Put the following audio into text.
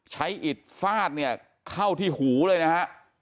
ใช้อิตฟาดเข้าที่หูเลยนะฮะ